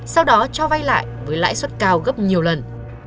sau đó cho vay lại với lãi suất cao gấp nhiều lần